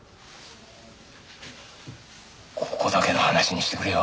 ここだけの話にしてくれよ。